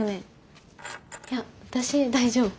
いや私大丈夫。